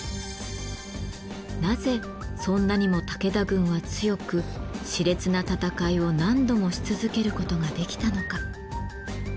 なぜそんなにも武田軍は強く熾烈な戦いを何度もし続けることができたのか？